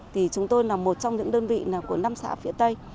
thì chúng tôi là một trong những đơn vị của năm xã phía tây